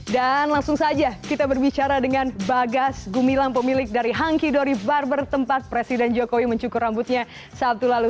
dan langsung saja kita berbicara dengan bagas gumilang pemilik dari hangkidori barber tempat presiden jokowi mencukur rambutnya sabtu lalu